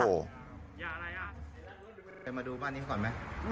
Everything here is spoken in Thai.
มาดูบ้านนี้ก่อนไหม